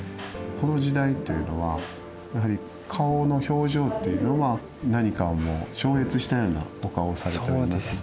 この時代っていうのはやはり顔の表情っていうのは何かをもう超越したようなお顔をされております。